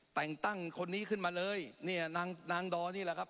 แต่งตั้งคนนี้ขึ้นมาเลยนางดอร์นี่แหละครับ